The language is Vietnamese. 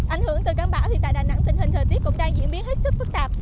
ảnh hưởng từ cơn bão thì tại đà nẵng tình hình thời tiết cũng đang diễn biến hết sức phức tạp